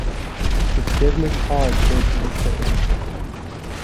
"It's devilish hard," said Mr. S..